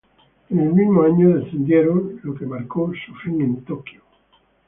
En el mismo año descendieron, lo que marcó su fin en Tokio.